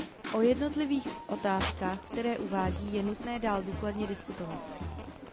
O jednotlivých otázkách, které uvádí, je nutné dál důkladně diskutovat.